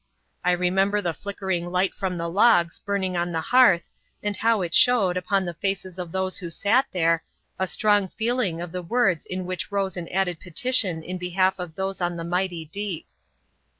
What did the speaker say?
I remember the flickering light from the logs burning on the hearth, and how it showed, upon the faces of those who sat there, a strong feeling of the words in which rose an added petition in behalf of those on the mighty deep.